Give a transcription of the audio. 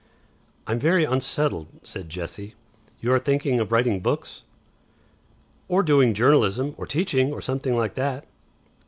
"I'm very unsettled," said Jessie. "You are thinking of writing Books?" "Or doing journalism, or teaching, or something like that."